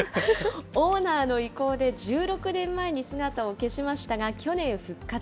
オーナーの意向で１６年前に姿を消しましたが、去年復活。